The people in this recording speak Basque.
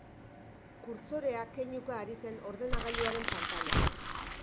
Kurtsorea keinuka ari zen ordenagailuaren pantailan.